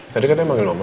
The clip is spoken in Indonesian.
tadi katanya manggil mama